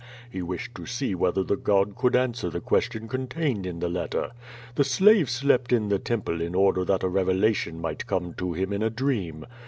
He wished to see whether the god could answer the question contained in the letter. The slave slept in the Temple in order that a revelation might come to him in a dream.